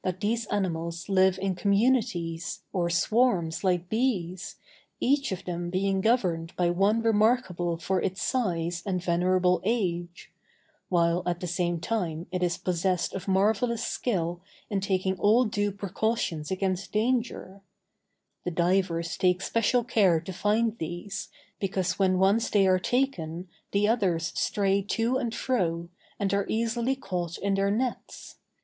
Some writers say, that these animals live in communities, or swarms like bees, each of them being governed by one remarkable for its size and venerable age; while at the same time it is possessed of marvellous skill in taking all due precautions against danger; the divers take special care to find these, because when once they are taken, the others stray to and fro, and are easily caught in their nets.